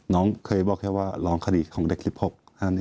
น้องเคยเล่าว่าร้องขนิดของเด็กสิบหก